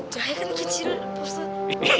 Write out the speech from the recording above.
jahe kan kecil pak bukhus